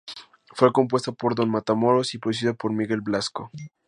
Fue compuesta por Don Matamoros y producida por Miguel Blasco.